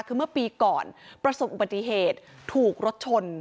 คือเมื่อปีก่อนประสบอุบัติเหตุถูกรถชน